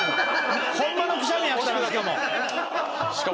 「ホンマのくしゃみやったなしかも」